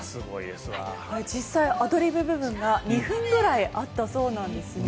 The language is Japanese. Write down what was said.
実際アドリブ部分が２分ぐらいあったそうなんです。